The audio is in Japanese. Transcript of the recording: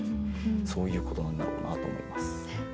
そういうことなんだろうなと思います。